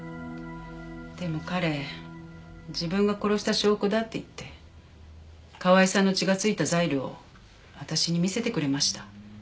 でも彼自分が殺した証拠だって言って河合さんの血が付いたザイルを私に見せてくれました。